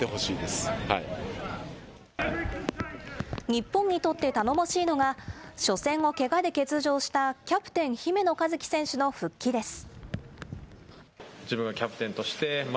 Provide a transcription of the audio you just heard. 日本にとって頼もしいのが初戦をけがで欠場したキャプテン、姫野和樹選手の復帰です。